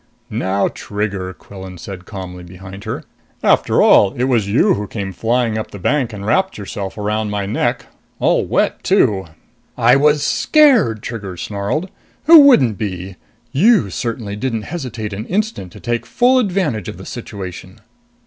"Now, Trigger," Quillan said calmly behind her. "After all, it was you who came flying up the bank and wrapped yourself around my neck. All wet, too." "I was scared!" Trigger snarled. "Who wouldn't be? You certainly didn't hesitate an instant to take full advantage of the situation!"